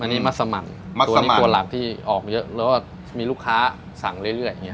อันนี้มักสะหมั่งตัวนี้กลัวหลักที่ออกเยอะแล้วก็มีลูกค้าสั่งเรื่อย